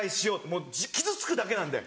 もう傷つくだけなんで。